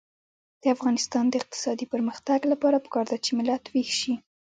د افغانستان د اقتصادي پرمختګ لپاره پکار ده چې ملت ویښ شي.